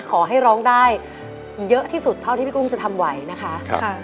ขอให้ร้องได้เยอะที่สุดเท่าที่พี่กุ้งจะทำไหวนะคะ